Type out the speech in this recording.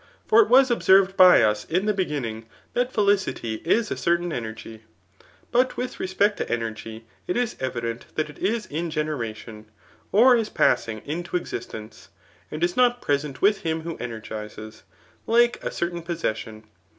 For it was ob served by us in the beginning, that felicity is a certain ^J^^rgy ; but with respect to energy^ it is evident that it is in generation, or is passing into Existence,' and is not present with him who energises, like a certam possession.